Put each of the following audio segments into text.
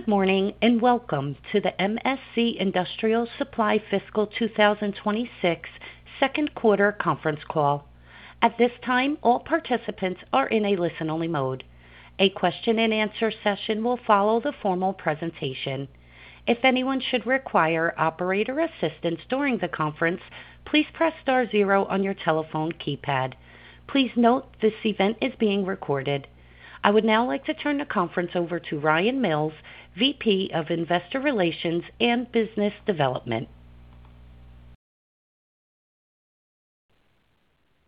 Good morning, and welcome to the MSC Industrial Supply Fiscal 2026 Second Quarter Conference Call. At this time, all participants are in a listen-only mode. A question-and-answer session will follow the formal presentation. If anyone should require operator assistance during the conference, please press star zero on your telephone keypad. Please note this event is being recorded. I would now like to turn the conference over to Ryan Mills, VP of Investor Relations and Business Development.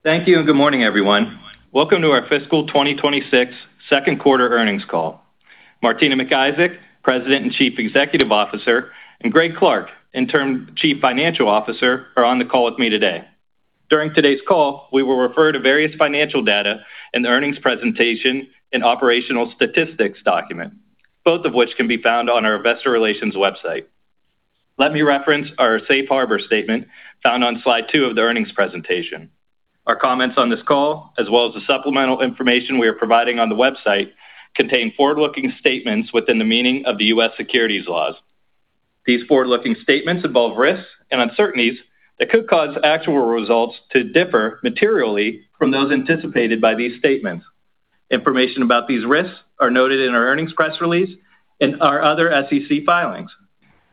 Thank you and good morning, everyone. Welcome to our fiscal 2026 second quarter earnings call. Martina McIsaac, President and Chief Executive Officer, and Greg Clark, Interim Chief Financial Officer, are on the call with me today. During today's call, we will refer to various financial data in the earnings presentation and operational statistics document, both of which can be found on our investor relations website. Let me reference our safe harbor statement found on slide two of the earnings presentation. Our comments on this call, as well as the supplemental information we are providing on the website, contain forward-looking statements within the meaning of the U.S. Securities Laws. These forward-looking statements involve risks and uncertainties that could cause actual results to differ materially from those anticipated by these statements. Information about these risks are noted in our earnings press release and our other SEC filings.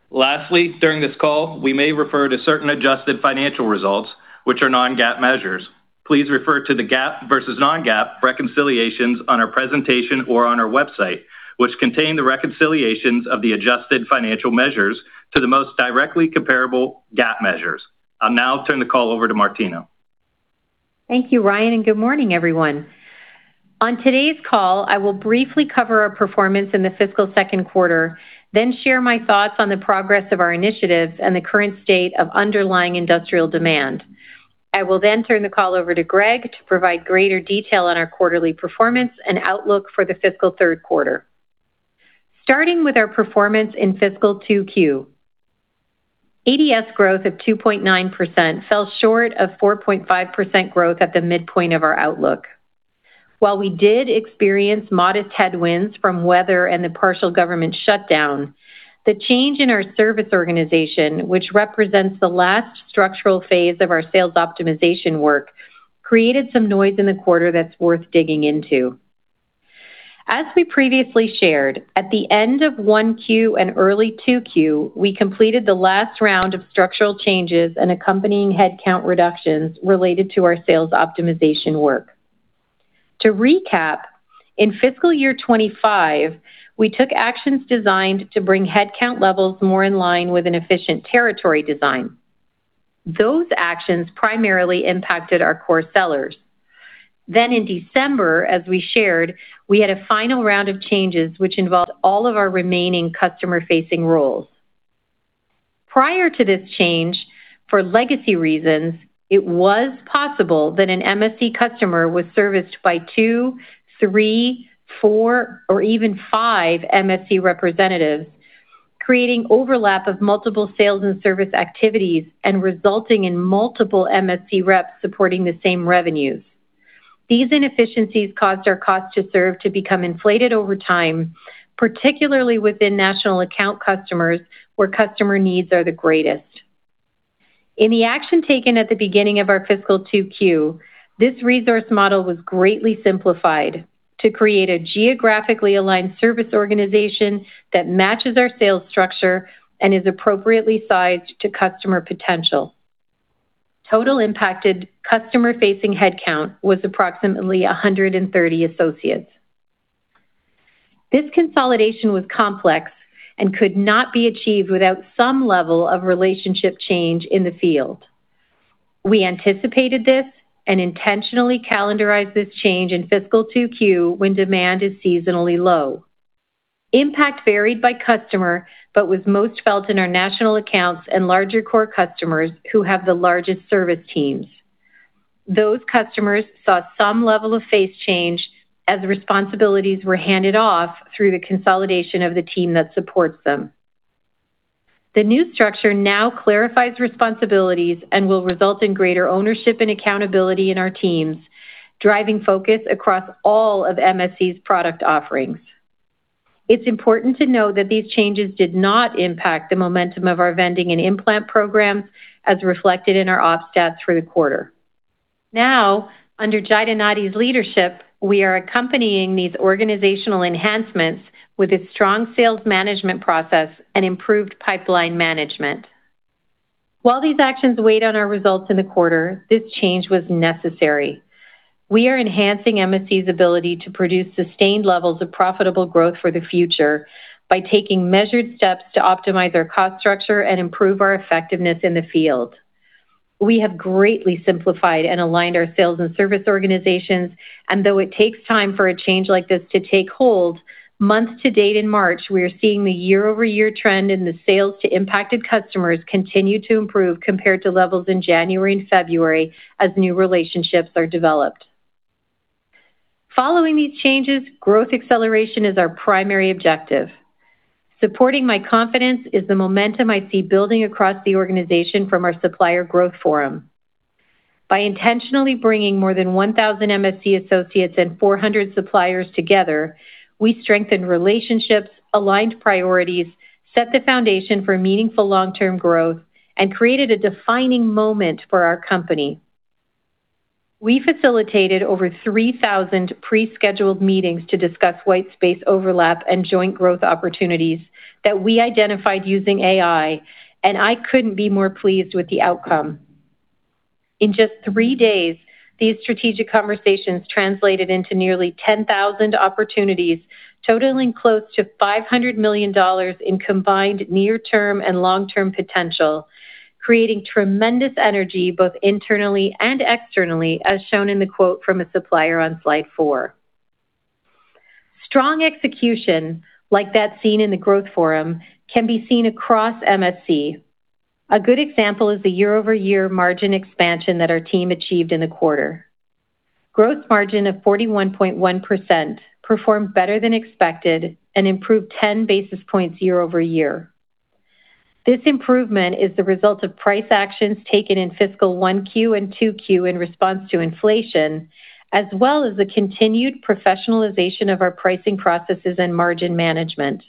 Lastly, during this call, we may refer to certain adjusted financial results, which are non-GAAP measures. Please refer to the GAAP versus non-GAAP reconciliations on our presentation or on our website, which contain the reconciliations of the adjusted financial measures to the most directly comparable GAAP measures. I'll now turn the call over to Martina. Thank you, Ryan, and good morning, everyone. On today's call, I will briefly cover our performance in the fiscal second quarter, then share my thoughts on the progress of our initiatives and the current state of underlying industrial demand. I will then turn the call over to Greg to provide greater detail on our quarterly performance and outlook for the fiscal third quarter. Starting with our performance in fiscal 2Q. ADS growth of 2.9% fell short of 4.5% growth at the midpoint of our outlook. While we did experience modest headwinds from weather and the partial government shutdown, the change in our service organization, which represents the last structural phase of our sales optimization work, created some noise in the quarter that's worth digging into. As we previously shared, at the end of 1Q and early 2Q, we completed the last round of structural changes and accompanying headcount reductions related to our sales optimization work. To recap, in fiscal year 2025, we took actions designed to bring headcount levels more in line with an efficient territory design. Those actions primarily impacted our core sellers. In December, as we shared, we had a final round of changes which involved all of our remaining customer-facing roles. Prior to this change, for legacy reasons, it was possible that an MSC customer was serviced by two, three, four, or even five MSC representatives, creating overlap of multiple sales and service activities and resulting in multiple MSC reps supporting the same revenues. These inefficiencies caused our cost to serve to become inflated over time, particularly within National Account customers, where customer needs are the greatest. In the action taken at the beginning of our fiscal 2Q, this resource model was greatly simplified to create a geographically aligned service organization that matches our sales structure and is appropriately sized to customer potential. Total impacted customer-facing headcount was approximately 130 associates. This consolidation was complex and could not be achieved without some level of relationship change in the field. We anticipated this and intentionally calendarized this change in fiscal 2Q when demand is seasonally low. Impact varied by customer, but was most felt in our National Accounts and larger core customers who have the largest service teams. Those customers saw some level of phase change as responsibilities were handed off through the consolidation of the team that supports them. The new structure now clarifies responsibilities and will result in greater ownership and accountability in our teams, driving focus across all of MSC's product offerings. It's important to note that these changes did not impact the momentum of our vending and in-plant programs as reflected in our off-stat through the quarter. Now, under Jahida Nadi's leadership, we are accompanying these organizational enhancements with a strong sales management process and improved pipeline management. While these actions weighed on our results in the quarter, this change was necessary. We are enhancing MSC's ability to produce sustained levels of profitable growth for the future by taking measured steps to optimize our cost structure and improve our effectiveness in the field. We have greatly simplified and aligned our sales and service organizations, and though it takes time for a change like this to take hold, month to date in March, we are seeing the year-over-year trend in the sales to impacted customers continue to improve compared to levels in January and February as new relationships are developed. Following these changes, growth acceleration is our primary objective. Supporting my confidence is the momentum I see building across the organization from our Supplier Growth Forum. By intentionally bringing more than 1,000 MSC associates and 400 suppliers together, we strengthened relationships, aligned priorities, set the foundation for meaningful long-term growth, and created a defining moment for our company. We facilitated over 3,000 pre-scheduled meetings to discuss white space overlap and joint growth opportunities that we identified using AI, and I couldn't be more pleased with the outcome. In just three days, these strategic conversations translated into nearly 10,000 opportunities, totaling close to $500 million in combined near-term and long-term potential, creating tremendous energy, both internally and externally, as shown in the quote from a supplier on slide four. Strong execution like that seen in the growth forum can be seen across MSC. A good example is the year-over-year margin expansion that our team achieved in the quarter. Gross margin of 41.1% performed better than expected and improved 10 basis points year-over-year. This improvement is the result of price actions taken in fiscal 1Q and 2Q in response to inflation, as well as the continued professionalization of our pricing processes and margin management.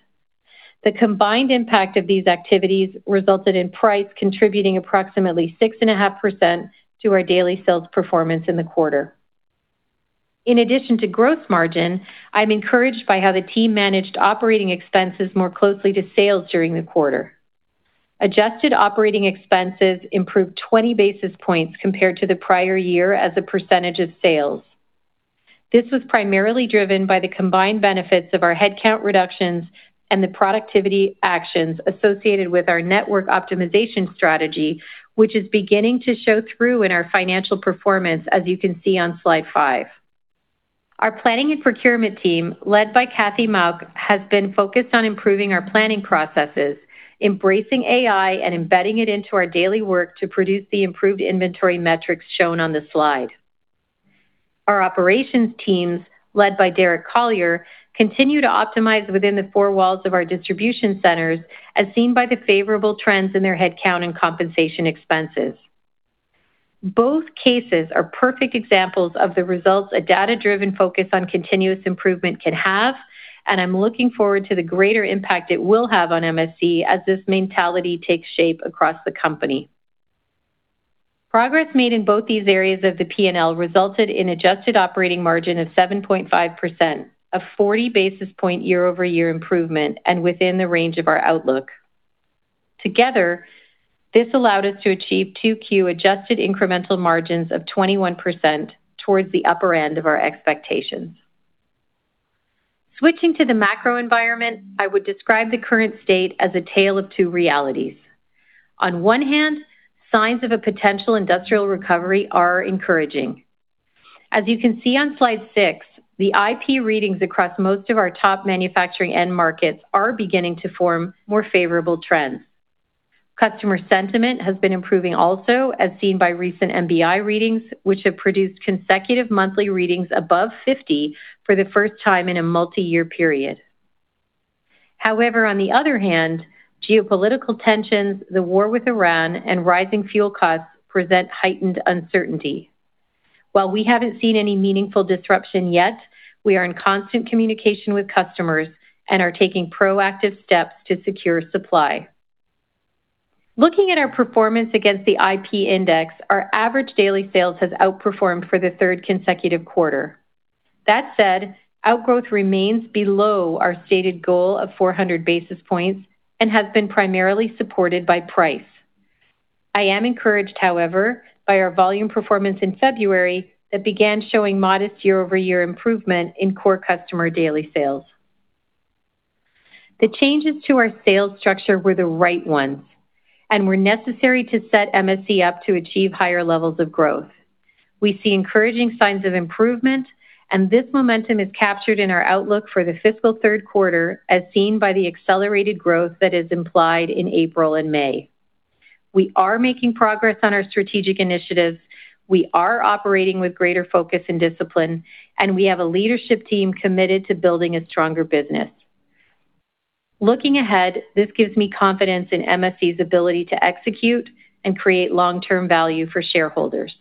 The combined impact of these activities resulted in price contributing approximately 6.5% to our daily sales performance in the quarter. In addition to growth margin, I'm encouraged by how the team managed operating expenses more closely to sales during the quarter. Adjusted operating expenses improved 20 basis points compared to the prior year as a percentage of sales. This was primarily driven by the combined benefits of our headcount reductions and the productivity actions associated with our network optimization strategy, which is beginning to show through in our financial performance, as you can see on slide five. Our planning and procurement team, led by Kathy Mauch, has been focused on improving our planning processes, embracing AI, and embedding it into our daily work to produce the improved inventory metrics shown on the slide. Our operations teams, led by Derek Collier, continue to optimize within the four walls of our distribution centers, as seen by the favorable trends in their headcount and compensation expenses. Both cases are perfect examples of the results a data-driven focus on continuous improvement can have, and I'm looking forward to the greater impact it will have on MSC as this mentality takes shape across the company. Progress made in both these areas of the P&L resulted in adjusted operating margin of 7.5%, a 40 basis point year-over-year improvement and within the range of our outlook. Together, this allowed us to achieve 2Q adjusted incremental margins of 21% towards the upper end of our expectations. Switching to the macro environment, I would describe the current state as a tale of two realities. On one hand, signs of a potential industrial recovery are encouraging. As you can see on slide six, the IP readings across most of our top manufacturing end markets are beginning to form more favorable trends. Customer sentiment has been improving also, as seen by recent MBI readings, which have produced consecutive monthly readings above 50 for the first time in a multiyear period. However, on the other hand, geopolitical tensions, the war with Iran, and rising fuel costs present heightened uncertainty. While we haven't seen any meaningful disruption yet, we are in constant communication with customers and are taking proactive steps to secure supply. Looking at our performance against the IP index, our average daily sales has outperformed for the third consecutive quarter. That said, outgrowth remains below our stated goal of 400 basis points and has been primarily supported by price. I am encouraged, however, by our volume performance in February that began showing modest year-over-year improvement in core customer daily sales. The changes to our sales structure were the right ones and were necessary to set MSC up to achieve higher levels of growth. We see encouraging signs of improvement, and this momentum is captured in our outlook for the fiscal third quarter, as seen by the accelerated growth that is implied in April and May. We are making progress on our strategic initiatives. We are operating with greater focus and discipline, and we have a leadership team committed to building a stronger business. Looking ahead, this gives me confidence in MSC's ability to execute and create long-term value for shareholders.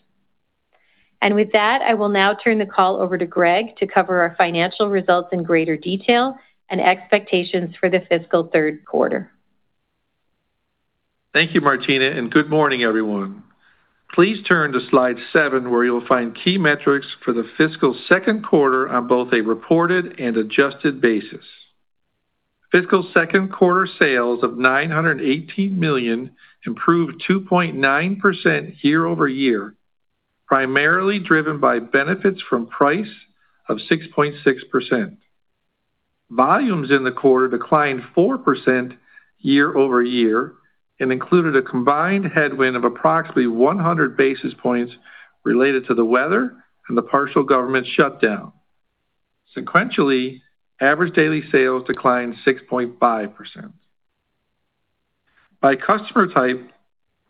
With that, I will now turn the call over to Greg to cover our financial results in greater detail and expectations for the fiscal third quarter. Thank you, Martina, and good morning, everyone. Please turn to slide seven, where you'll find key metrics for the fiscal second quarter on both a reported and adjusted basis. Fiscal second quarter sales of $918 million improved 2.9% year-over-year, primarily driven by benefits from price of 6.6%. Volumes in the quarter declined 4% year-over-year and included a combined headwind of approximately 100 basis points related to the weather and the partial government shutdown. Sequentially, average daily sales declined 6.5%. By customer type,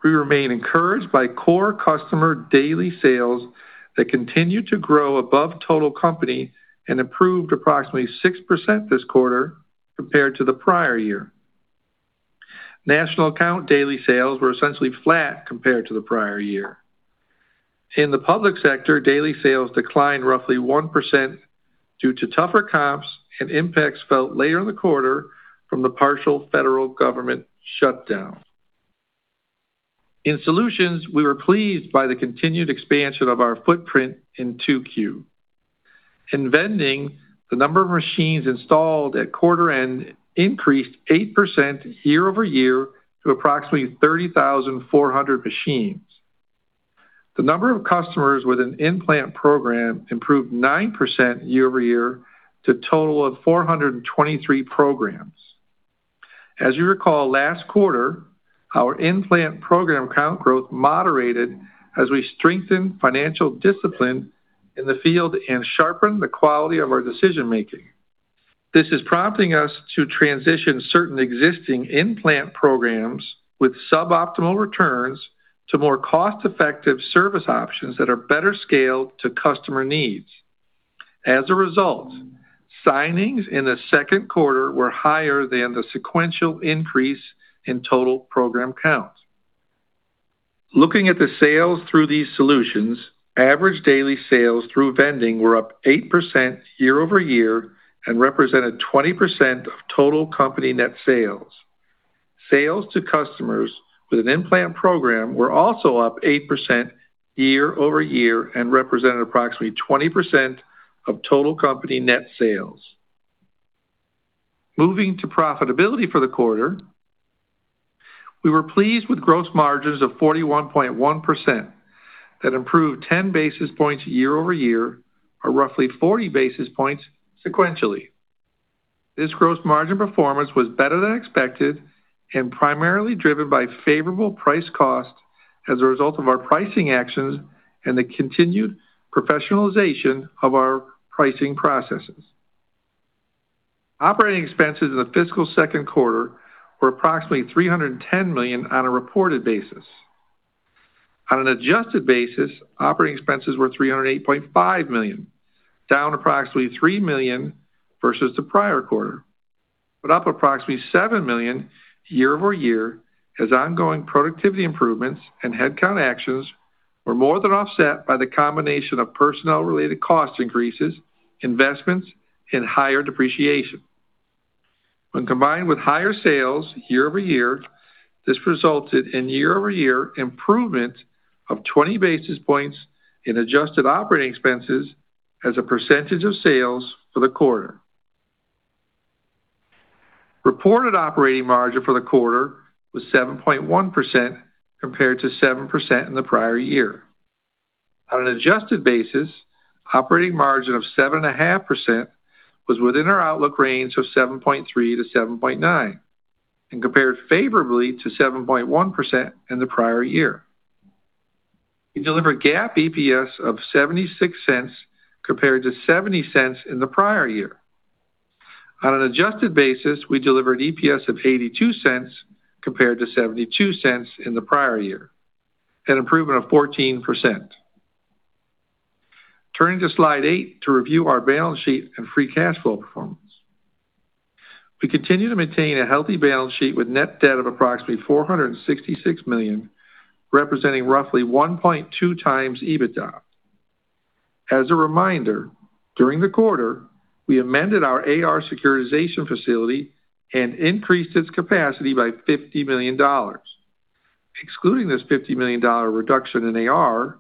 we remain encouraged by core customer daily sales that continued to grow above total company and improved approximately 6% this quarter compared to the prior year. National Account daily sales were essentially flat compared to the prior year. In the public sector, daily sales declined roughly 1% due to tougher comps and impacts felt later in the quarter from the partial federal government shutdown. In solutions, we were pleased by the continued expansion of our footprint in 2Q. In vending, the number of machines installed at quarter end increased 8% year-over-year to approximately 30,400 machines. The number of customers with an in-plant program improved 9% year-over-year to a total of 423 programs. As you recall, last quarter, our in-plant program count growth moderated as we strengthened financial discipline in the field and sharpened the quality of our decision making. This is prompting us to transition certain existing in-plant programs with suboptimal returns to more cost-effective service options that are better scaled to customer needs. As a result, signings in the second quarter were higher than the sequential increase in total program counts. Looking at the sales through these solutions, average daily sales through vending were up 8% year-over-year and represented 20% of total company net sales. Sales to customers with an in-plant program were also up 8% year-over-year and represented approximately 20% of total company net sales. Moving to profitability for the quarter, we were pleased with gross margins of 41.1%. That improved 10 basis points year-over-year, or roughly 40 basis points sequentially. This gross margin performance was better than expected and primarily driven by favorable price cost as a result of our pricing actions and the continued professionalization of our pricing processes. Operating expenses in the fiscal second quarter were approximately $310 million on a reported basis. On an adjusted basis, operating expenses were $308.5 million, down approximately $3 million versus the prior quarter. Up approximately $7 million year-over-year as ongoing productivity improvements and headcount actions were more than offset by the combination of personnel-related cost increases, investments, and higher depreciation. When combined with higher sales year-over-year, this resulted in year-over-year improvement of 20 basis points in adjusted operating expenses as a percentage of sales for the quarter. Reported operating margin for the quarter was 7.1% compared to 7% in the prior year. On an adjusted basis, operating margin of 7.5% was within our outlook range of 7.3%-7.9% and compared favorably to 7.1% in the prior year. We delivered GAAP EPS of $0.76 compared to $0.70 in the prior year. On an adjusted basis, we delivered EPS of $0.82 compared to $0.72 in the prior year, an improvement of 14%. Turning to slide eight to review our balance sheet and free cash flow performance. We continue to maintain a healthy balance sheet with net debt of approximately $466 million, representing roughly 1.2x EBITDA. As a reminder, during the quarter, we amended our AR securitization facility and increased its capacity by $50 million. Excluding this $50 million reduction in AR,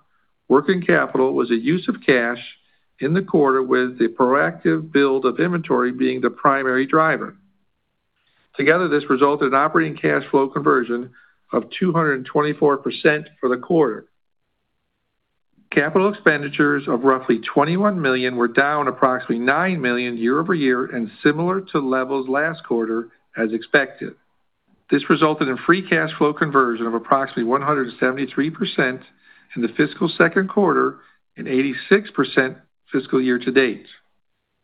working capital was a use of cash in the quarter with the proactive build of inventory being the primary driver. Together, this resulted in operating cash flow conversion of 224% for the quarter. Capital expenditures of roughly $21 million were down approximately $9 million year-over-year and similar to levels last quarter as expected. This resulted in free cash flow conversion of approximately 173% in the fiscal second quarter and 86% fiscal year-to-date,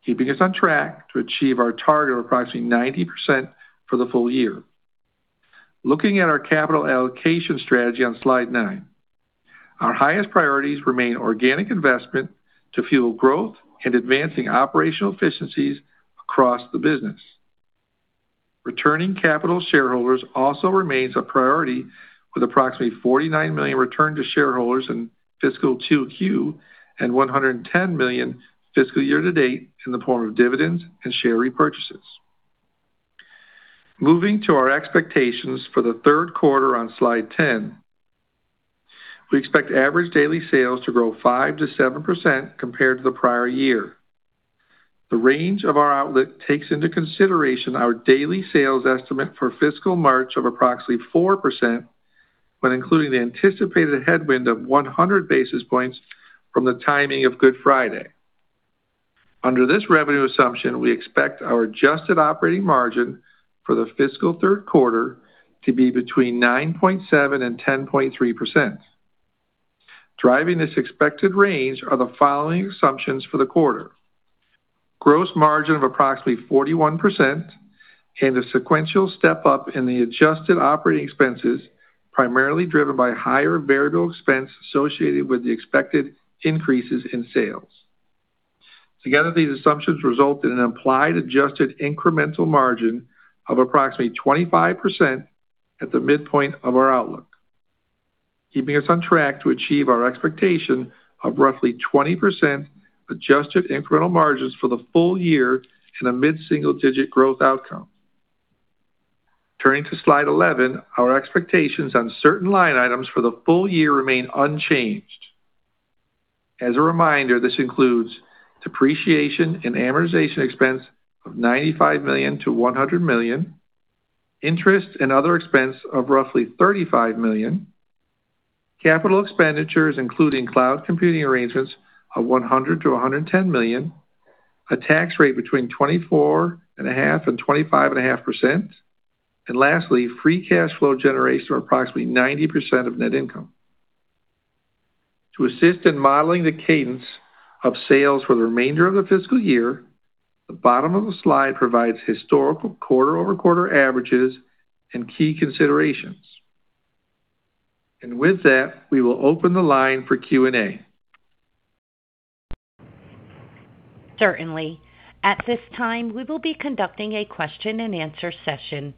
keeping us on track to achieve our target of approximately 90% for the full year. Looking at our capital allocation strategy on slide nine. Our highest priorities remain organic investment to fuel growth and advancing operational efficiencies across the business. Returning capital to shareholders also remains a priority with approximately $49 million returned to shareholders in fiscal 2Q and $110 million fiscal year-to-date in the form of dividends and share repurchases. Moving to our expectations for the third quarter on slide 10. We expect average daily sales to grow 5%-7% compared to the prior year. The range of our outlook takes into consideration our daily sales estimate for fiscal March of approximately 4% when including the anticipated headwind of 100 basis points from the timing of Good Friday. Under this revenue assumption, we expect our adjusted operating margin for the fiscal third quarter to be between 9.7% and 10.3%. Driving this expected range are the following assumptions for the quarter. Gross margin of approximately 41% and a sequential step-up in the adjusted operating expenses, primarily driven by higher variable expense associated with the expected increases in sales. Together, these assumptions result in an implied adjusted incremental margin of approximately 25% at the midpoint of our outlook, keeping us on track to achieve our expectation of roughly 20% adjusted incremental margins for the full year and a mid-single-digit growth outcome. Turning to slide 11, our expectations on certain line items for the full year remain unchanged. As a reminder, this includes depreciation and amortization expense of $95 million-$100 million, interest and other expense of roughly $35 million, capital expenditures, including cloud computing arrangements of $100 million-$110 million, a tax rate between 24.5% and 25.5%, and lastly, free cash flow generation of approximately 90% of net income. To assist in modeling the cadence of sales for the remainder of the fiscal year, the bottom of the slide provides historical quarter-over-quarter averages and key considerations. With that, we will open the line for Q&A. Certainly. At this time, we will be conducting a question-and-answer session.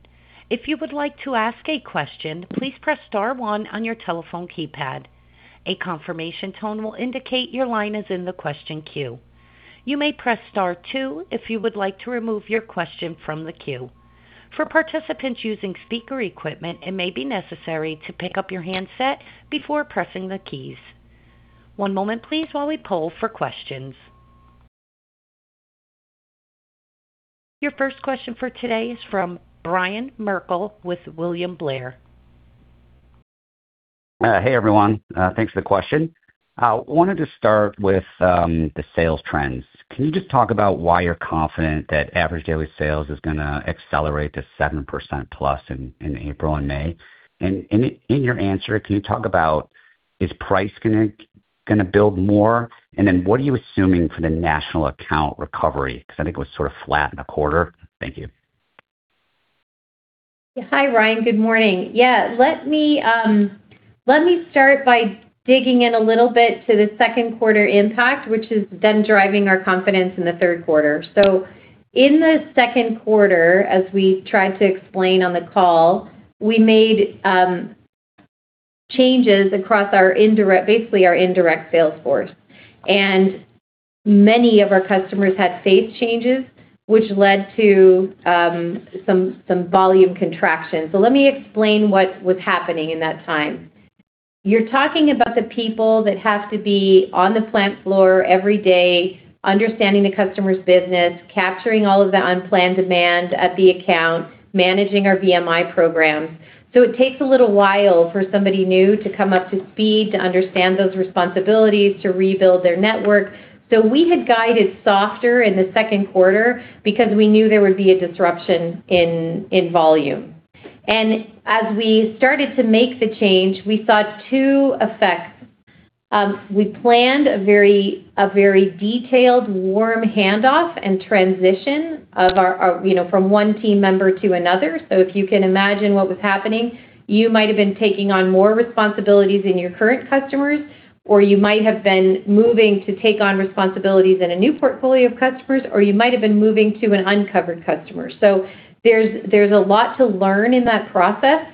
If you would like to ask a question, please press star one on your telephone keypad. A confirmation tone will indicate your line is in the question queue. You may press star two if you would like to remove your question from the queue. For participants using speaker equipment, it may be necessary to pick up your handset before pressing the keys. One moment please while we poll for questions. Your first question for today is from Ryan Merkel with William Blair. Hey, everyone. Thanks for the question. Wanted to start with the sales trends. Can you just talk about why you're confident that average daily sales is gonna accelerate to 7%+ in April and May? And in your answer, can you talk about is price gonna build more? And then what are you assuming for the National Account recovery? 'Cause I think it was sort of flat in the quarter. Thank you. Hi, Ryan. Good morning. Yeah. Let me start by digging in a little bit to the second quarter impact, which is then driving our confidence in the third quarter. In the second quarter, as we tried to explain on the call, we made changes across our indirect—basically, our indirect sales force. Many of our customers had staff changes, which led to some volume contraction. Let me explain what was happening in that time. You're talking about the people that have to be on the plant floor every day, understanding the customer's business, capturing all of the unplanned demand at the account, managing our VMI programs. It takes a little while for somebody new to come up to speed, to understand those responsibilities, to rebuild their network. We had guided softer in the second quarter because we knew there would be a disruption in volume. As we started to make the change, we saw two effects. We planned a very detailed warm handoff and transition of our, you know, from one team member to another. If you can imagine what was happening, you might have been taking on more responsibilities in your current customers, or you might have been moving to take on responsibilities in a new portfolio of customers, or you might have been moving to an uncovered customer. There's a lot to learn in that process,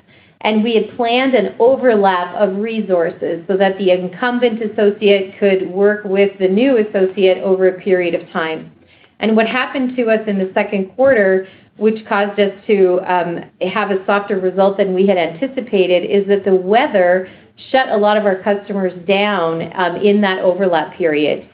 and we had planned an overlap of resources so that the incumbent associate could work with the new associate over a period of time. What happened to us in the second quarter, which caused us to have a softer result than we had anticipated, is that the weather shut a lot of our customers down in that overlap period.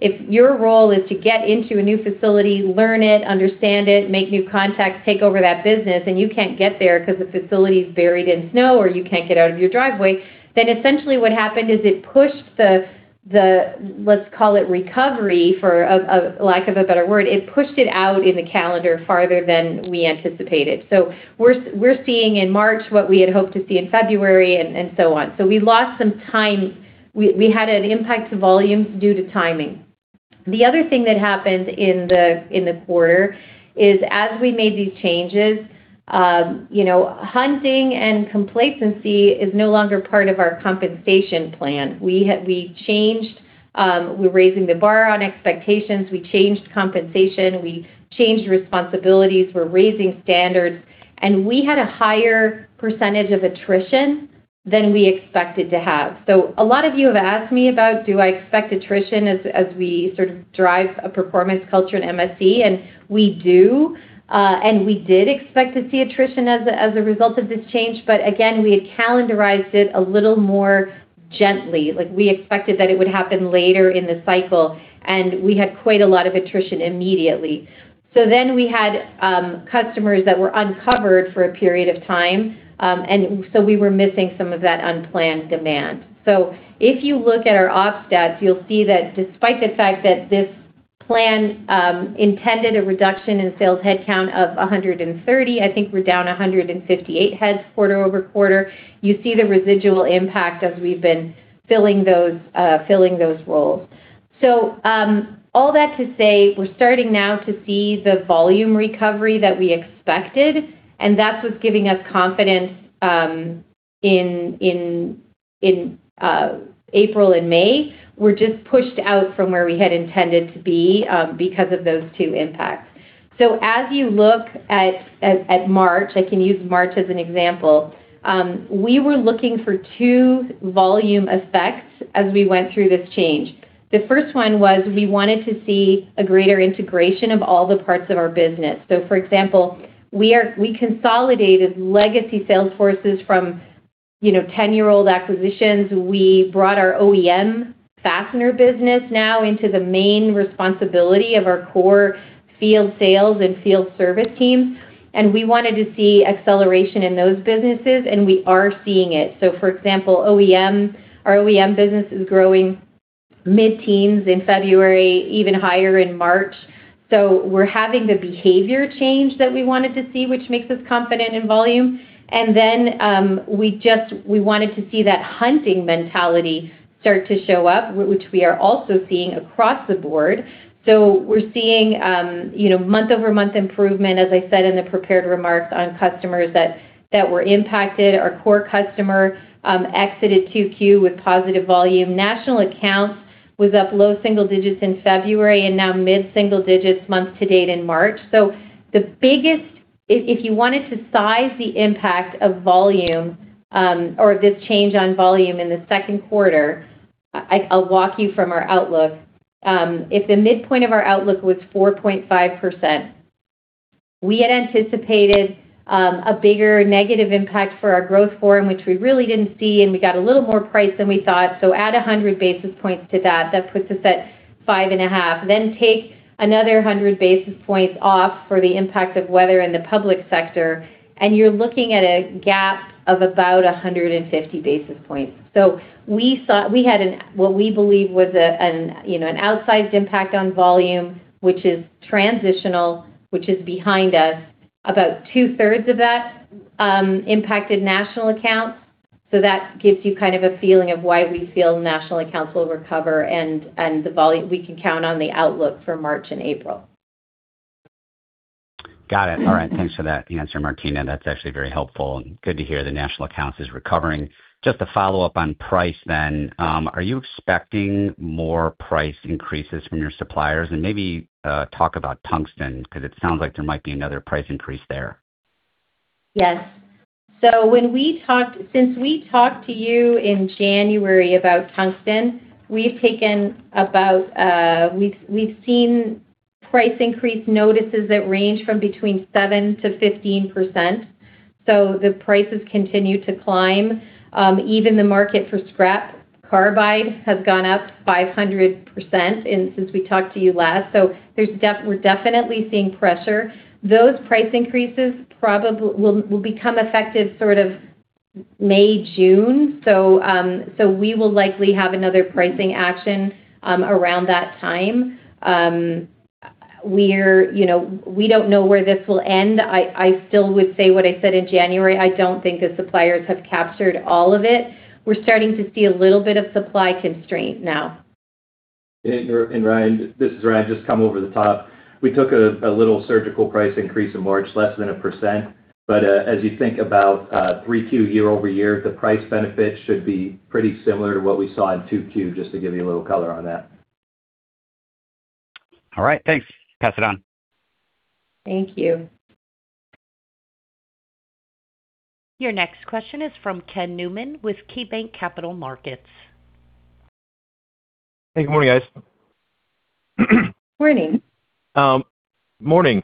If your role is to get into a new facility, learn it, understand it, make new contacts, take over that business, and you can't get there 'cause the facility is buried in snow or you can't get out of your driveway, then essentially what happened is it pushed the let's call it recovery for a lack of a better word, it pushed it out in the calendar farther than we anticipated. We're seeing in March what we had hoped to see in February and so on. We lost some time. We had an impact to volumes due to timing. The other thing that happened in the quarter is as we made these changes, you know, hunting and complacency is no longer part of our compensation plan. We changed, we're raising the bar on expectations. We changed compensation. We changed responsibilities. We're raising standards. We had a higher percentage of attrition than we expected to have. A lot of you have asked me about, do I expect attrition as we sort of drive a performance culture at MSC? We do, and we did expect to see attrition as a result of this change. Again, we had calendarized it a little more gently. Like, we expected that it would happen later in the cycle, and we had quite a lot of attrition immediately. We had customers that were uncovered for a period of time, and so we were missing some of that unplanned demand. If you look at our ops stats, you'll see that despite the fact that this plan intended a reduction in sales headcount of 130, I think we're down 158 heads quarter-over-quarter. You see the residual impact as we've been filling those roles. All that to say, we're starting now to see the volume recovery that we expected, and that's what's giving us confidence in April and May. We were just pushed out from where we had intended to be because of those two impacts. As you look at March, I can use March as an example. We were looking for two volume effects as we went through this change. The first one was we wanted to see a greater integration of all the parts of our business. For example, we consolidated legacy sales forces from, you know, 10-year-old acquisitions. We brought our OEM fastener business now into the main responsibility of our core field sales and field service teams, and we wanted to see acceleration in those businesses, and we are seeing it. For example, OEM, our OEM business is growing mid-teens in February, even higher in March. We're having the behavior change that we wanted to see, which makes us confident in volume. We wanted to see that hunting mentality start to show up, which we are also seeing across the board. We're seeing, you know, month-over-month improvement, as I said in the prepared remarks, on customers that were impacted. Our core customer exited 2Q with positive volume. National Accounts was up low-single-digits in February and now mid-single-digits month-to-date in March. If you wanted to size the impact of volume or this change on volume in the second quarter, I'll walk you through our outlook. If the midpoint of our outlook was 4.5%, we had anticipated a bigger negative impact for our growth forum, which we really didn't see, and we got a little more price than we thought. Add 100 basis points to that puts us at 5.5. Take another 100 basis points off for the impact of weather in the public sector, and you're looking at a gap of about 150 basis points. We had what we believe was, you know, an outsized impact on volume, which is transitional, which is behind us. About two-thirds of that impacted National Accounts. That gives you kind of a feeling of why we feel National Accounts will recover and we can count on the outlook for March and April. Got it. All right. Thanks for that answer, Martina. That's actually very helpful and good to hear the National Accounts is recovering. Just a follow-up on price then. Are you expecting more price increases from your suppliers? Maybe, talk about Tungsten, 'cause it sounds like there might be another price increase there. Yes. Since we talked to you in January about Tungsten, we've seen price increase notices that range from between 7%-15%. The prices continue to climb. Even the market for scrap carbide has gone up 500% since we talked to you last. We're definitely seeing pressure. Those price increases probably will become effective sort of May, June. We will likely have another pricing action around that time. You know, we don't know where this will end. I still would say what I said in January. I don't think the suppliers have captured all of it. We're starting to see a little bit of supply constraint now. Ryan, this is Ryan, just come over the top. We took a little surgical price increase in March, less than 1%. As you think about 3Q year-over-year, the price benefit should be pretty similar to what we saw in 2Q, just to give you a little color on that. All right, thanks. Pass it on. Thank you. Your next question is from Ken Newman with KeyBanc Capital Markets. Hey, good morning, guys. Morning. Morning.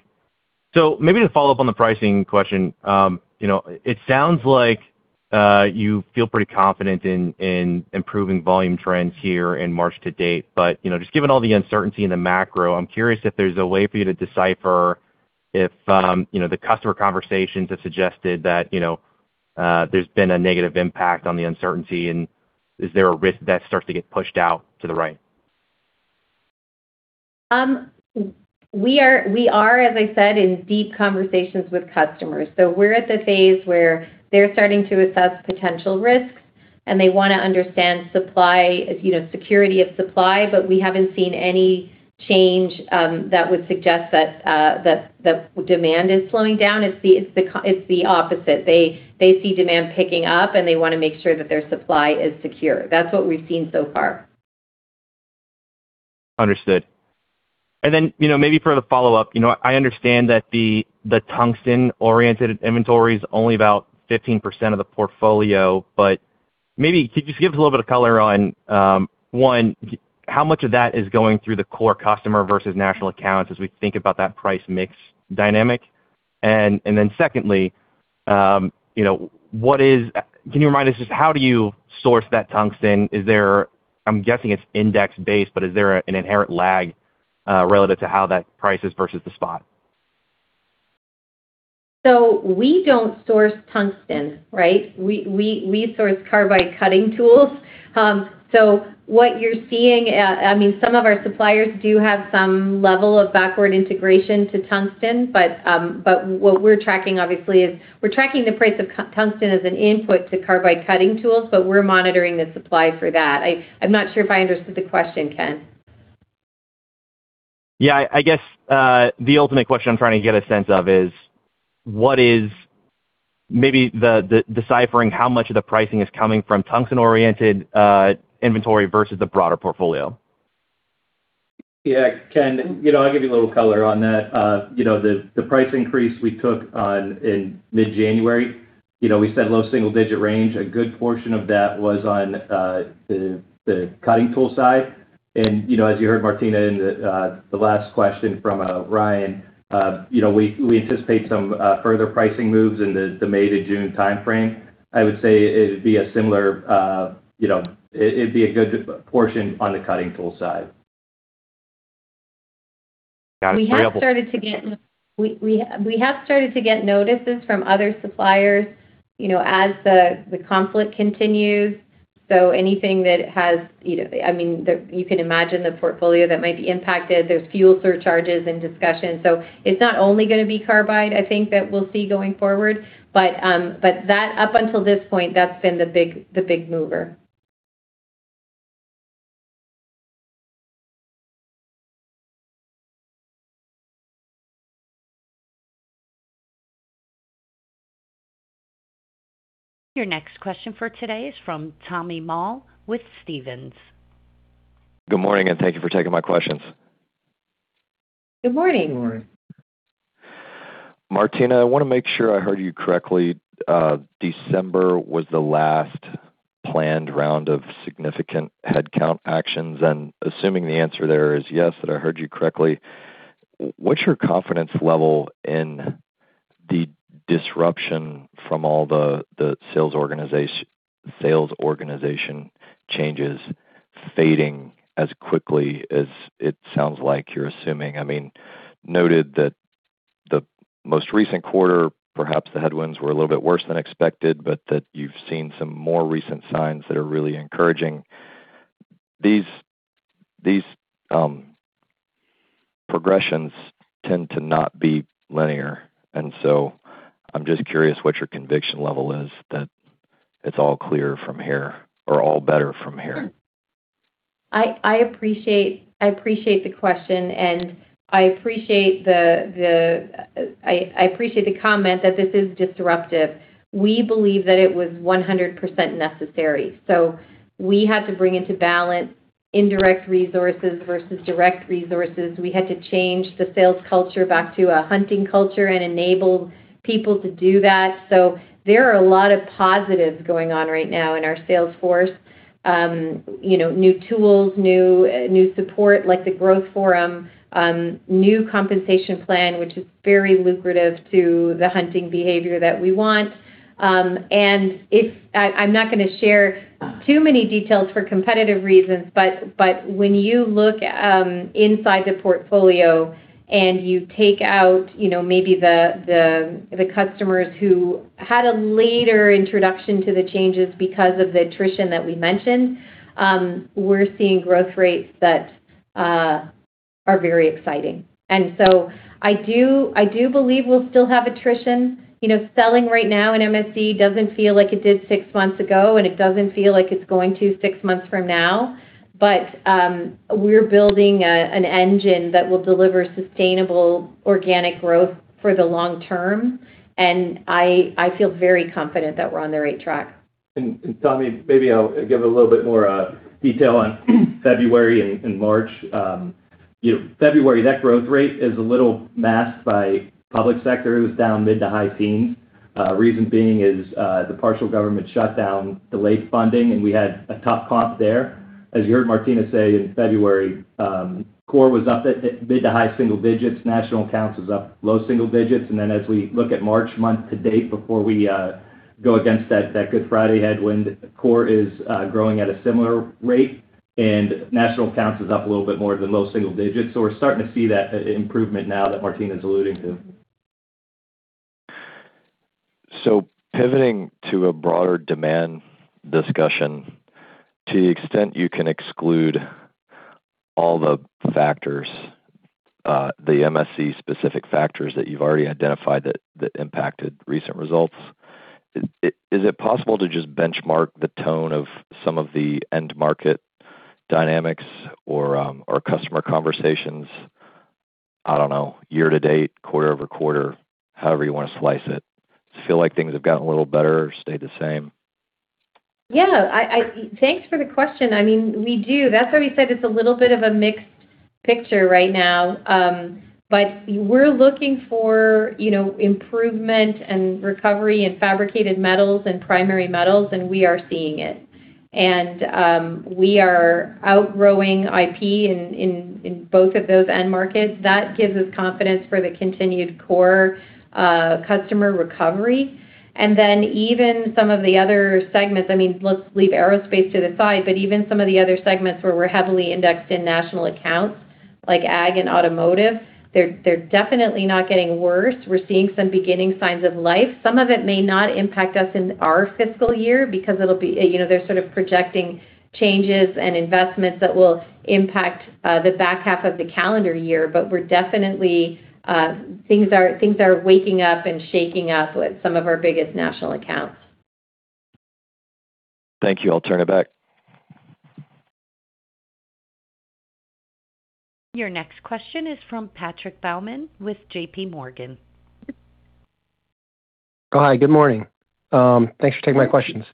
Maybe to follow up on the pricing question, it sounds like you feel pretty confident in improving volume trends here in March to date. Just given all the uncertainty in the macro, I'm curious if there's a way for you to decipher if the customer conversations have suggested that there's been a negative impact on the uncertainty, and is there a risk that starts to get pushed out to the right? We are, as I said, in deep conversations with customers. We're at the phase where they're starting to assess potential risks, and they wanna understand supply, you know, security of supply, but we haven't seen any change that would suggest that demand is slowing down. It's the opposite. They see demand picking up, and they wanna make sure that their supply is secure. That's what we've seen so far. Understood. You know, maybe for the follow-up, you know, I understand that the Tungsten-oriented inventory is only about 15% of the portfolio, but maybe could you just give us a little bit of color on one, how much of that is going through the core customer versus National Accounts as we think about that price mix dynamic? Then secondly, you know, can you remind us just how do you source that Tungsten? Is there, I'm guessing it's index based, but is there an inherent lag relative to how that price is versus the spot? We don't source Tungsten, right? We source carbide cutting tools. I mean, some of our suppliers do have some level of backward integration to Tungsten, but what we're tracking obviously is we're tracking the price of Tungsten as an input to carbide cutting tools, but we're monitoring the supply for that. I'm not sure if I understood the question, Ken. Yeah, I guess, the ultimate question I'm trying to get a sense of is what is maybe the deciphering how much of the pricing is coming from Tungsten-oriented inventory versus the broader portfolio? Yeah. Ken, you know, I'll give you a little color on that. You know, the price increase we took on in mid-January, you know, we said low single-digit range. A good portion of that was on the cutting tool side. You know, as you heard Martina in the last question from Ryan, you know, we anticipate some further pricing moves in the May to June timeframe. I would say it'd be a similar, you know. It'd be a good portion on the cutting tool side. Got it. We have started to get. We have started to get notices from other suppliers, you know, as the conflict continues. Anything that has, you know, I mean, you can imagine the portfolio that might be impacted. There's fuel surcharges and discussions. It's not only gonna be carbide, I think, that we'll see going forward, but that up until this point, that's been the big mover. Your next question for today is from Tommy Moll with Stephens. Good morning, and thank you for taking my questions. Good morning. Good morning. Martina, I wanna make sure I heard you correctly. December was the last planned round of significant headcount actions, and assuming the answer there is yes, that I heard you correctly, what's your confidence level in the disruption from all the sales organization changes fading as quickly as it sounds like you're assuming? I mean, noting that the most recent quarter, perhaps the headwinds were a little bit worse than expected, but that you've seen some more recent signs that are really encouraging. These progressions tend to not be linear. I'm just curious what your conviction level is that it's all clear from here or all better from here. I appreciate the question and I appreciate the comment that this is disruptive. We believe that it was 100% necessary. We had to bring into balance indirect resources versus direct resources. We had to change the sales culture back to a hunting culture and enable people to do that. There are a lot of positives going on right now in our sales force. You know, new tools, new support, like the growth forum, new compensation plan, which is very lucrative to the hunting behavior that we want. I'm not gonna share too many details for competitive reasons, but when you look inside the portfolio and you take out, you know, maybe the customers who had a later introduction to the changes because of the attrition that we mentioned, we're seeing growth rates that are very exciting. I do believe we'll still have attrition. You know, selling right now in MSC doesn't feel like it did six months ago, and it doesn't feel like it's going to six months from now. We're building an engine that will deliver sustainable organic growth for the long term, and I feel very confident that we're on the right track. Tommy, maybe I'll give a little bit more detail on February and March. You know, February, that growth rate is a little masked by public sector. It was down mid- to high-teens. Reason being is the partial government shutdown delayed funding, and we had a tough comp there. As you heard Martina say, in February, core was up mid- to high-single digits. National Accounts was up low-single-digits. As we look at March month-to-date, before we go against that Good Friday headwind, core is growing at a similar rate, and National Accounts is up a little bit more than low-single-digits. We're starting to see that improvement now that Martina's alluding to. Pivoting to a broader demand discussion, to the extent you can exclude all the factors, the MSC specific factors that you've already identified that impacted recent results, is it possible to just benchmark the tone of some of the end market dynamics or customer conversations, I don't know, year-to-date, quarter-over-quarter, however you wanna slice it? Do you feel like things have gotten a little better or stayed the same? Yeah. Thanks for the question. I mean, we do. That's why we said it's a little bit of a mixed picture right now. But we're looking for, you know, improvement and recovery in fabricated metals and primary metals, and we are seeing it. We are outgrowing IP in both of those end markets. That gives us confidence for the continued core customer recovery. Then even some of the other segments, I mean, let's leave aerospace to the side, but even some of the other segments where we're heavily indexed in National Accounts, like ag and automotive, they're definitely not getting worse. We're seeing some beginning signs of life. Some of it may not impact us in our fiscal year because it'll be. You know, they're sort of projecting changes and investments that will impact the back half of the calendar year. Things are waking up and shaking up with some of our biggest National Accounts. Thank you. I'll turn it back. Your next question is from Patrick Baumann with J.P. Morgan. Hi, good morning. Thanks for taking my questions.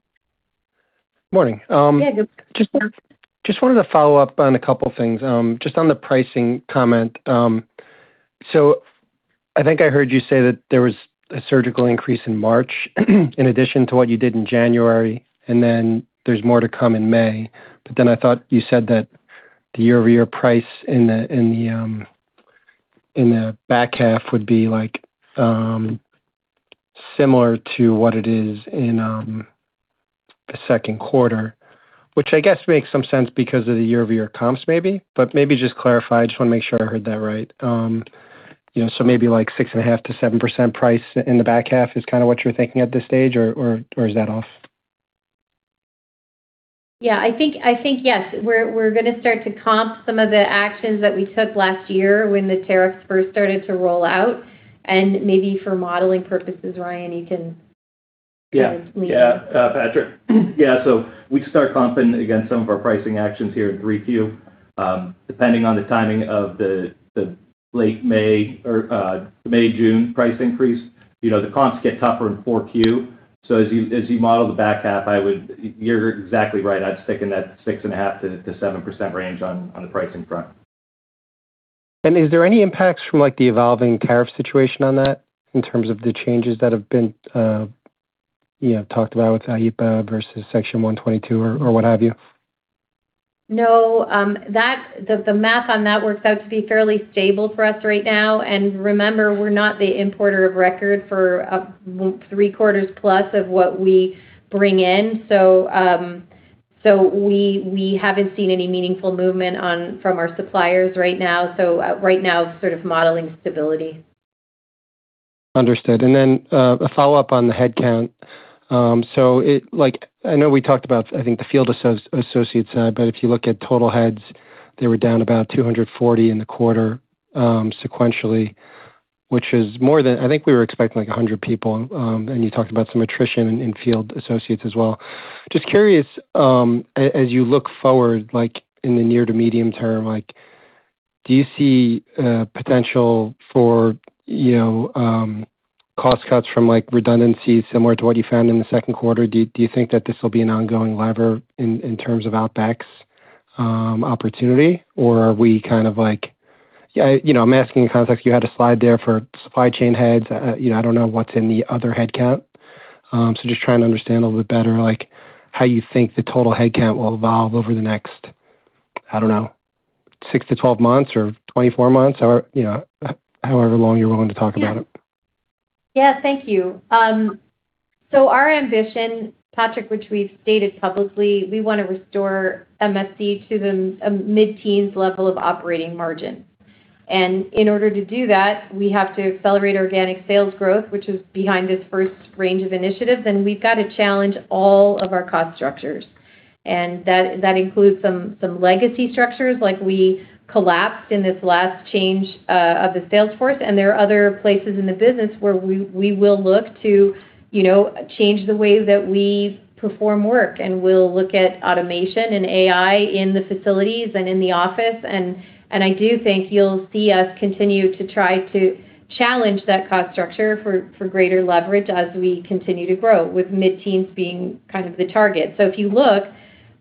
Morning. Yeah, good morning. Just wanted to follow up on a couple of things. Just on the pricing comment. So I think I heard you say that there was a surgical increase in March, in addition to what you did in January, and then there's more to come in May. Then I thought you said that the year-over-year price in the back half would be like similar to what it is in the second quarter, which I guess makes some sense because of the year-over-year comps maybe. Maybe just clarify. I just wanna make sure I heard that right. You know, so maybe like 6.5%-7% price in the back half is kinda what you're thinking at this stage, or is that off? Yeah, I think yes. We're gonna start to comp some of the actions that we took last year when the tariffs first started to roll out, and maybe for modeling purposes, Ryan, you can kind of lead. Patrick. We start comping against some of our pricing actions here in 3Q. Depending on the timing of the late May or May-June price increase, the comps get tougher in 4Q. As you model the back half, I would. You're exactly right. I'd stick in that 6.5%-7% range on the pricing front. Is there any impacts from, like, the evolving tariff situation on that in terms of the changes that have been talked about with IEEPA versus Section 232 or what have you? No. The math on that works out to be fairly stable for us right now. Remember, we're not the importer of record for three-quarters plus of what we bring in. We haven't seen any meaningful movement from our suppliers right now, so right now sort of modeling stability. Understood. Then, a follow-up on the headcount. So, like, I know we talked about, I think, the field associates side, but if you look at total heads, they were down about 240 in the quarter, sequentially, which is more than I think we were expecting, like, 100 people, and you talked about some attrition in field associates as well. Just curious, as you look forward, like, in the near to medium term, like, do you see potential for, you know, cost cuts from, like, redundancies similar to what you found in the second quarter? Do you think that this will be an ongoing lever in terms of OpEx opportunity? Or are we kind of like you know, I'm asking 'cause you had a slide there for supply chain heads. You know, I don't know what's in the other headcount. Just trying to understand a little bit better, like, how you think the total headcount will evolve over the next, I don't know, six-12 months or 24 months or, you know, however long you're willing to talk about it. Yeah. Thank you. Our ambition, Patrick, which we've stated publicly, we wanna restore MSC to the mid-teens level of operating margin. In order to do that, we have to accelerate organic sales growth, which is behind this first range of initiatives, and we've got to challenge all of our cost structures. That includes some legacy structures like we collapsed in this last change of the sales force, and there are other places in the business where we will look to, you know, change the way that we perform work. We'll look at automation and AI in the facilities and in the office. I do think you'll see us continue to try to challenge that cost structure for greater leverage as we continue to grow, with mid-teens being kind of the target. If you look,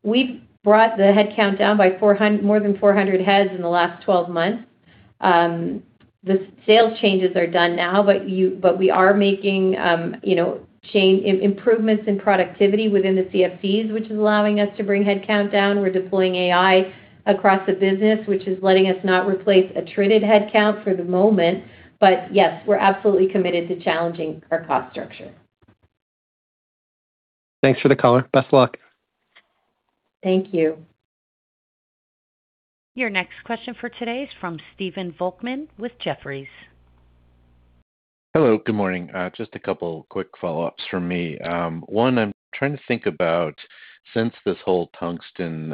we've brought the headcount down by more than 400 heads in the last 12 months. The sales changes are done now, but we are making, you know, improvements in productivity within the CFCs, which is allowing us to bring headcount down. We're deploying AI across the business, which is letting us not replace attrited headcount for the moment. Yes, we're absolutely committed to challenging our cost structure. Thanks for the color. Best luck. Thank you. Your next question for today is from Stephen Volkmann with Jefferies. Hello, good morning. Just a couple quick follow-ups from me. One, I'm trying to think about since this whole Tungsten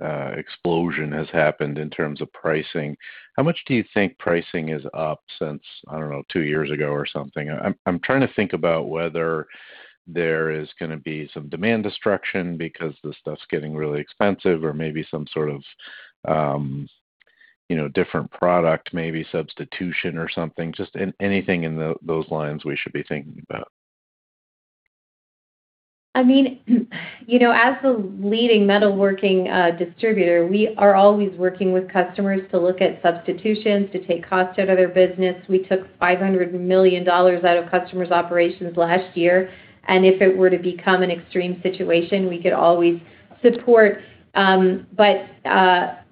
explosion has happened in terms of pricing, how much do you think pricing is up since, I don't know, two years ago or something? I'm trying to think about whether there is gonna be some demand destruction because this stuff's getting really expensive or maybe some sort of, you know, different product, maybe substitution or something. Just anything in those lines we should be thinking about. I mean, you know, as the leading metalworking distributor, we are always working with customers to look at substitutions to take cost out of their business. We took $500 million out of customers' operations last year, and if it were to become an extreme situation, we could always support. But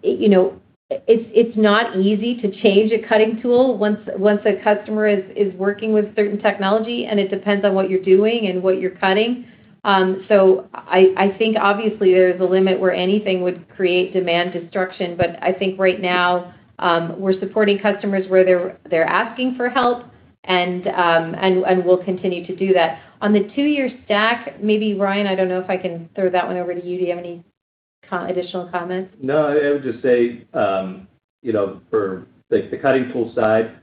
you know, it's not easy to change a cutting tool once a customer is working with certain technology, and it depends on what you're doing and what you're cutting. So I think obviously there's a limit where anything would create demand destruction. But I think right now, we're supporting customers where they're asking for help and we'll continue to do that. On the two-year stack, maybe, Ryan, I don't know if I can throw that one over to you. Do you have any Additional comments? No, I would just say, you know, for like the cutting tool side,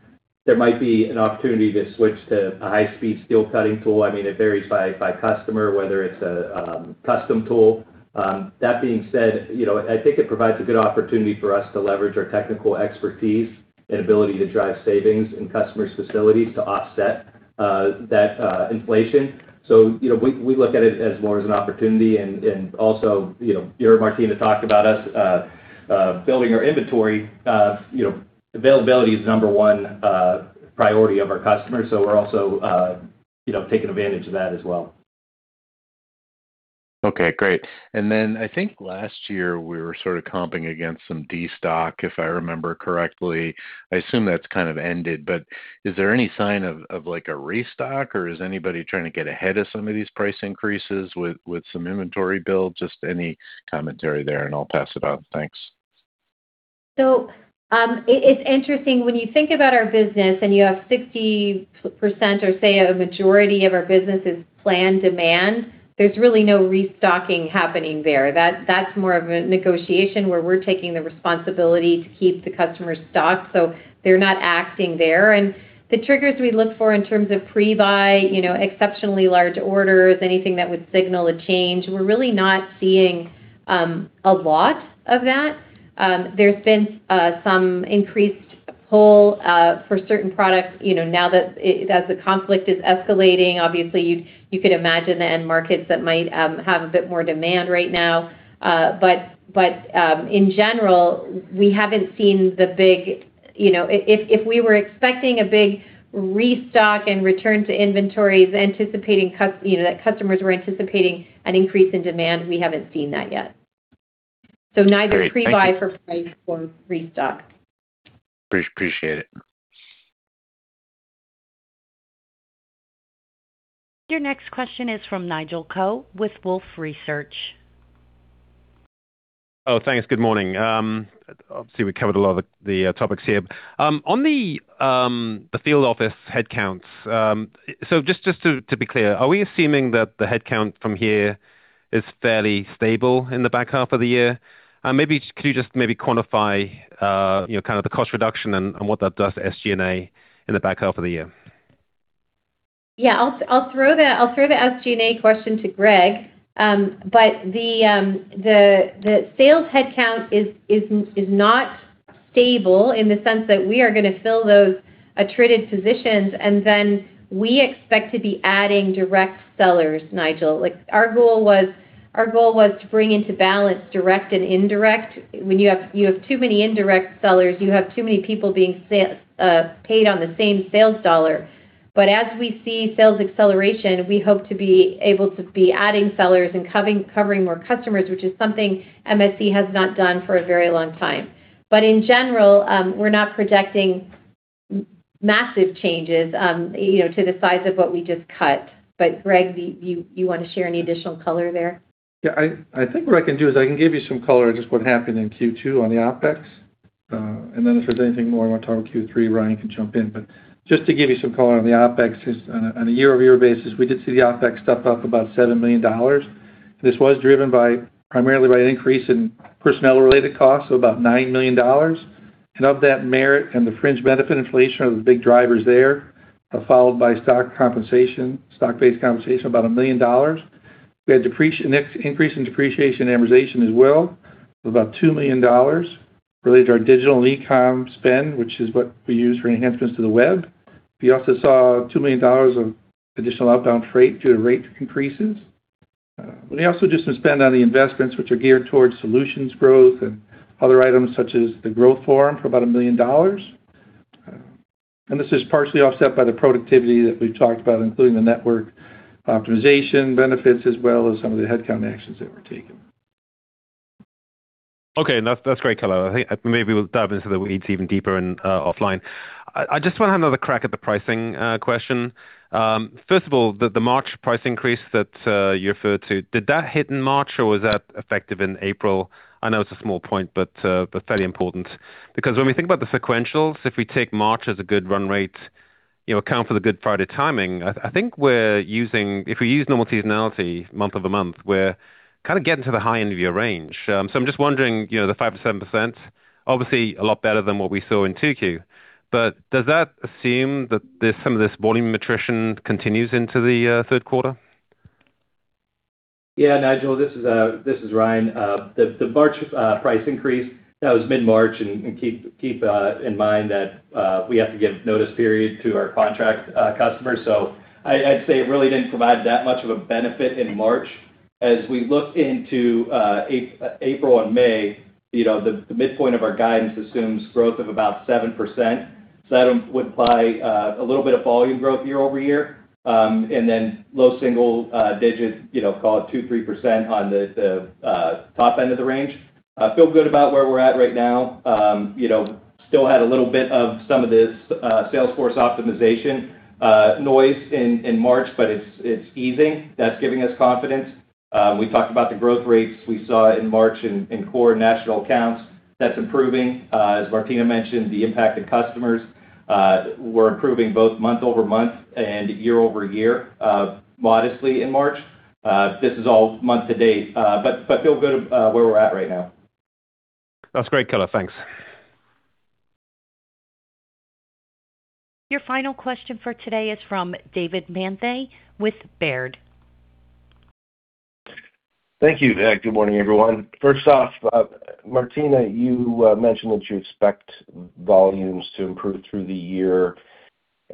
there might be an opportunity to switch to a high-speed steel cutting tool. I mean, it varies by customer, whether it's a custom tool. That being said, you know, I think it provides a good opportunity for us to leverage our technical expertise and ability to drive savings in customers' facilities to offset that inflation. So, you know, we look at it as more as an opportunity and also, you know, you heard Martina talk about us building our inventory. You know, availability is number one priority of our customers, so we're also taking advantage of that as well. Okay, great. I think last year, we were sort of comping against some destock, if I remember correctly. I assume that's kind of ended, but is there any sign of like a restock, or is anybody trying to get ahead of some of these price increases with some inventory build? Just any commentary there, and I'll pass it on. Thanks. It's interesting when you think about our business and you have 60% or say a majority of our business is planned demand, there's really no restocking happening there. That's more of a negotiation where we're taking the responsibility to keep the customer stocked so they're not acting there. The triggers we look for in terms of pre-buy, you know, exceptionally large orders, anything that would signal a change, we're really not seeing a lot of that. There's been some increased pull for certain products, you know, now that as the conflict is escalating. Obviously, you could imagine the end markets that might have a bit more demand right now. In general, we haven't seen the big. You know, if we were expecting a big restock and return to inventories, you know, that customers were anticipating an increase in demand, we haven't seen that yet. Neither- Great. Thank you. Pre-buy for price or restock. Appreciate it. Your next question is from Nigel Coe with Wolfe Research. Oh, thanks. Good morning. Obviously, we covered a lot of the topics here. On the field office headcounts, just to be clear, are we assuming that the headcount from here is fairly stable in the back half of the year? Maybe could you quantify, you know, kind of the cost reduction and what that does to SG&A in the back half of the year? Yeah. I'll throw the SG&A question to Greg. But the sales headcount is not stable in the sense that we are gonna fill those attrited positions, and then we expect to be adding direct sellers, Nigel. Like, our goal was to bring into balance direct and indirect. When you have too many indirect sellers, you have too many people being paid on the same sales dollar. But as we see sales acceleration, we hope to be able to be adding sellers and covering more customers, which is something MSC has not done for a very long time. But in general, we're not projecting massive changes, you know, to the size of what we just cut. But Greg, do you wanna share any additional color there? Yeah. I think what I can do is I can give you some color on just what happened in Q2 on the OpEx. Then if there's anything more I wanna talk about Q3, Ryan can jump in. Just to give you some color on the OpEx is on a year-over-year basis, we did see the OpEx step up about $7 million. This was driven by primarily by an increase in personnel-related costs of about $9 million. Of that merit and the fringe benefit inflation are the big drivers there, followed by stock compensation, stock-based compensation, about $1 million. We had an increase in depreciation amortization as well of about $2 million related to our digital e-com spend, which is what we use for enhancements to the web. We also saw $2 million of additional outbound freight due to rate increases. We also did some spend on the investments which are geared towards solutions growth and other items such as the growth forum for about $1 million. This is partially offset by the productivity that we've talked about, including the network optimization benefits as well as some of the headcount actions that were taken. Okay. That's great color. I think maybe we'll dive into the weeds even deeper and offline. I just wanna have another crack at the pricing question. First of all, the March price increase that you referred to, did that hit in March, or was that effective in April? I know it's a small point, but fairly important. Because when we think about the sequentials, if we take March as a good run rate, you know, account for the Good Friday timing, I think if we use normal seasonality month-over-month, we're kind of getting to the high end of your range. I'm just wondering, you know, the 5%-7%, obviously a lot better than what we saw in 2Q. Does that assume that some of this volume attrition continues into the third quarter? Yeah, Nigel. This is Ryan. The March price increase, that was mid-March. Keep in mind that we have to give notice period to our contract customers. I'd say it really didn't provide that much of a benefit in March. As we look into April and May, you know, the midpoint of our guidance assumes growth of about 7%. That would imply a little bit of volume growth year-over-year, and then low-single-digits, you know, call it 2%-3% on the top end of the range. I feel good about where we're at right now. You know, still had a little bit of some of this sales force optimization noise in March, but it's easing. That's giving us confidence. We talked about the growth rates we saw in March in core National Accounts. That's improving. As Martina mentioned, the impact of customers. We're improving both month-over-month and year-over-year, modestly in March. This is all month-to-date, but feel good where we're at right now. That's great color. Thanks. Your final question for today is from David Manthey with Baird. Thank you. Good morning, everyone. First off, Martina, you mentioned that you expect volumes to improve through the year.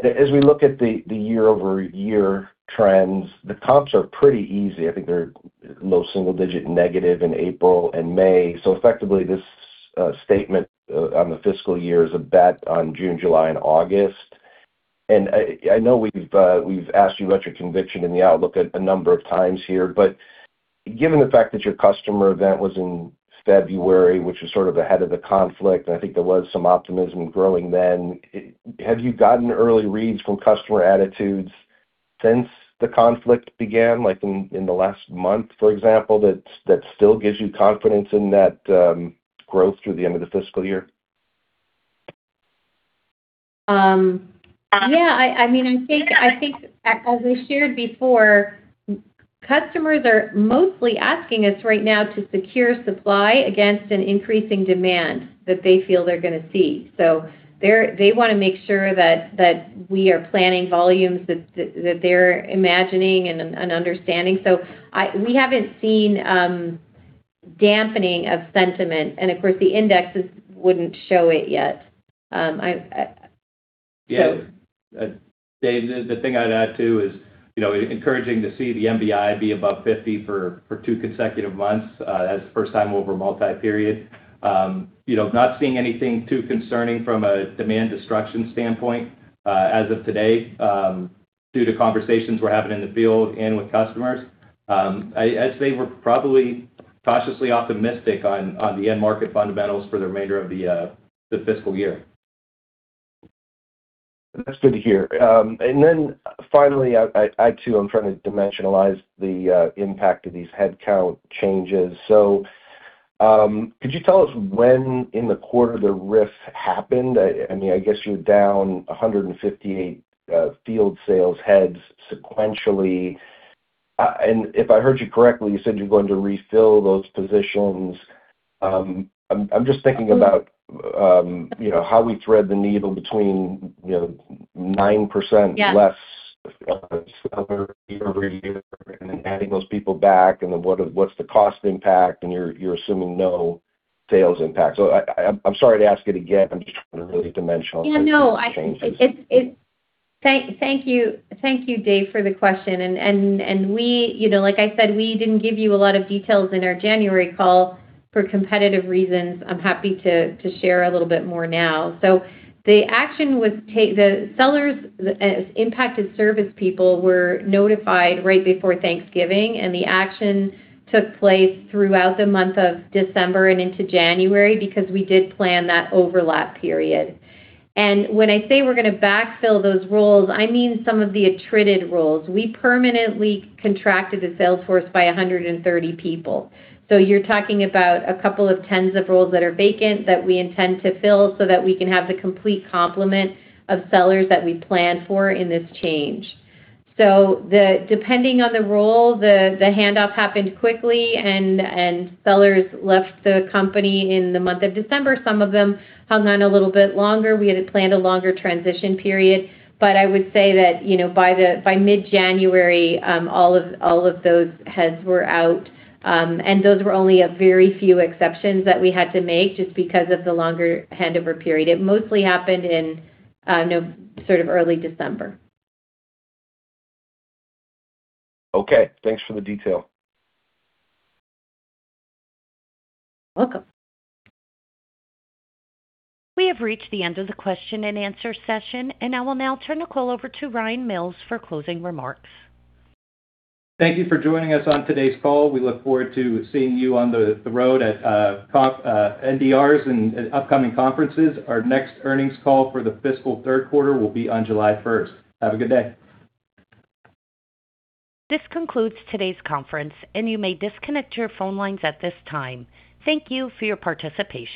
As we look at the year-over-year trends, the comps are pretty easy. I think they're low single digit negative in April and May. Effectively, this statement on the fiscal year is a bet on June, July, and August. I know we've asked you about your conviction in the outlook a number of times here, but given the fact that your customer event was in February, which is sort of ahead of the conflict, and I think there was some optimism growing then, have you gotten early reads from customer attitudes since the conflict began, like in the last month, for example, that still gives you confidence in that, growth through the end of the fiscal year? Yeah, I mean, I think as we shared before, customers are mostly asking us right now to secure supply against an increasing demand that they feel they're gonna see. They wanna make sure that we are planning volumes that they're imagining and understanding. We haven't seen dampening of sentiment. Of course, the indexes wouldn't show it yet. Yeah. David, the thing I'd add too is, you know, encouraging to see the MBI be above 50 for two consecutive months, that's the first time over a multi period. You know, not seeing anything too concerning from a demand destruction standpoint, as of today, due to conversations we're having in the field and with customers. I'd say we're probably cautiously optimistic on the end market fundamentals for the remainder of the fiscal year. That's good to hear. Finally, I too am trying to dimensionalize the impact of these headcount changes. Could you tell us when in the quarter the RIF happened? I mean, I guess you're down 158 field sales heads sequentially. If I heard you correctly, you said you're going to refill those positions. I'm just thinking about you know, how we thread the needle between you know, 9%- Yeah. -less seller year-over-year and then adding those people back, and then what's the cost impact, and you're assuming no sales impact. I'm sorry to ask it again, I'm just trying to really dimensionalize these changes. Thank you, David, for the question. We didn't give you a lot of details in our January call for competitive reasons. I'm happy to share a little bit more now. The action was the sellers impacted service people were notified right before Thanksgiving, and the action took place throughout the month of December and into January because we did plan that overlap period. When I say we're gonna backfill those roles, I mean some of the attrited roles. We permanently contracted the sales force by 130 people. You're talking about a couple of tens of roles that are vacant that we intend to fill so that we can have the complete complement of sellers that we planned for in this change. Depending on the role, the handoff happened quickly and sellers left the company in the month of December. Some of them hung on a little bit longer. We had planned a longer transition period. I would say that, you know, by mid-January, all of those heads were out. Those were only a very few exceptions that we had to make just because of the longer handover period. It mostly happened in, you know, sort of early December. Okay, thanks for the detail. Welcome. We have reached the end of the question-and-answer session, and I will now turn the call over to Ryan Mills for closing remarks. Thank you for joining us on today's call. We look forward to seeing you on the road at NDRs and upcoming conferences. Our next earnings call for the fiscal third quarter will be on July 1st. Have a good day. This concludes today's conference, and you may disconnect your phone lines at this time. Thank you for your participation.